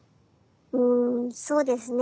うんそうですね。